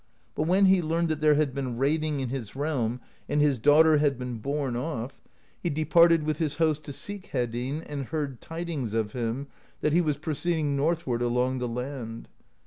But when he learned that there had been raiding in his realm and his daughter had been borne off, he departed with his host to seek Hedinn, and heard tidings of him, that he was pro ceeding northward along the land.